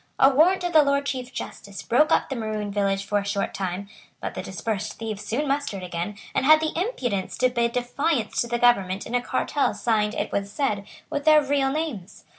A warrant of the Lord Chief justice broke up the Maroon village for a short time, but the dispersed thieves soon mustered again, and had the impudence to bid defiance to the government in a cartel signed, it was said, with their real names.